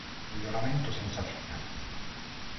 Miglioramento senza fine".